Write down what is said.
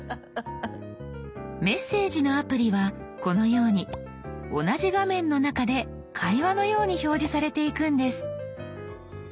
メッセージのアプリはこのように同じ画面の中で会話のように表示されていくんです。